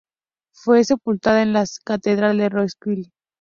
Fue sepultada en la Catedral de Roskilde.